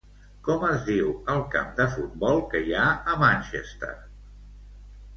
Com es diu el camp de futbol que hi ha a Manchester?